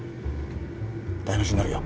台無しになるよ。